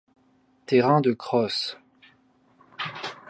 Terrain de cross.